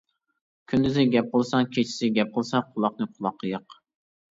كۈندۈزى گەپ قىلساڭ، كېچىسى گەپ قىلسا قۇلاقنى قۇلاق ياق.